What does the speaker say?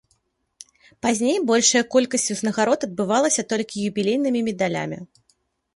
Пазней большая колькасць узнагарод адбывалася толькі юбілейнымі медалямі.